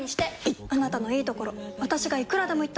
いっあなたのいいところ私がいくらでも言ってあげる！